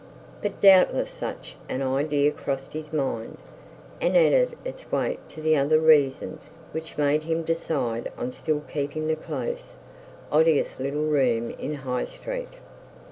But doubtless such an idea crossed his mind, and added its weight to the other reasons which made him decide on still keeping the close, odious little room in High Street.